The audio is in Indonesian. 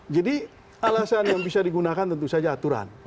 jadi alasan yang bisa digunakan tentu saja aturan